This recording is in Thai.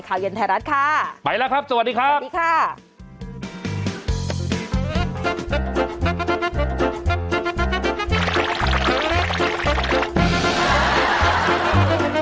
เย็นไทยรัฐค่ะไปแล้วครับสวัสดีครับสวัสดีค่ะ